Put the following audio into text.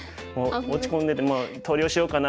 落ち込んでて「もう投了しようかな？